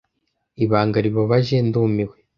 Ibanga ribabaje ndumiwe.